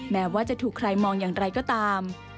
แม้ว่าจะถูกใครมองอย่างไรก็ตาม